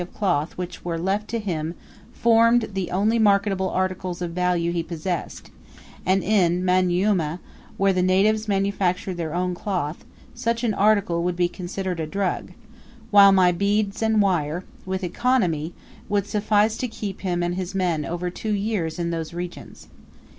The 696 doti of cloth which were left to him formed the only marketable articles of value he possessed; and in Manyuema, where the natives manufactured their own cloth, such an article would be considered a drug; while my beads and wire, with economy, would suffice to keep him and his men over two years in those regions.